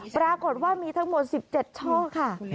ปรากฏว่ามีทั้งหมด๑๗ช่องค่ะ